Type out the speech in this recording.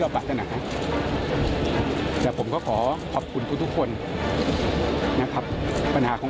เป็นคน